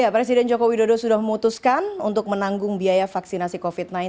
presiden joko widodo sudah memutuskan untuk menanggung biaya vaksinasi covid sembilan belas